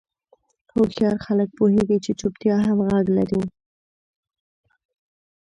هوښیار خلک پوهېږي چې چوپتیا هم غږ لري.